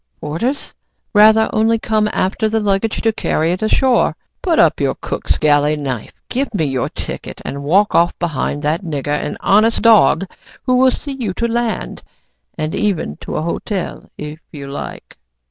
"P p porters?" "Rather, only come after the luggage to carry it ashore. So put up your cook's galley knife, give me your ticket, and walk off behind that nigger an honest dog, who will see you to land, and even into a hotel, if you like."